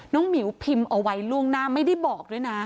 หมิวพิมพ์เอาไว้ล่วงหน้าไม่ได้บอกด้วยนะ